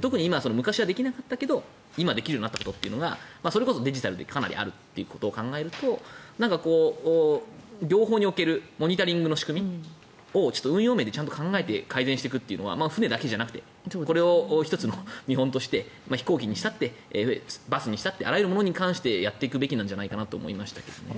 特に今、昔はできなかったけど今はできるようになったことがそれこそデジタルでかなりあるということを考えると行法におけるモニタリングの仕組みを運用面で考えてやっていくのは船だけじゃなくてこれを１つの見本として飛行機にしてもバスにしてもあらゆるものに関してやっていくべきなんじゃないかなと思いましたけどね。